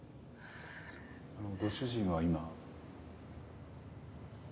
あのご主人は今は？